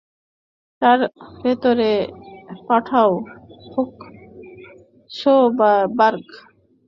তাকে ভেতরে পাঠাও, হোপসবার্গ।